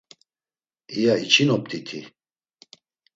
İya içinop̌t̆iti?